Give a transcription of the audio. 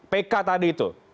pk tadi itu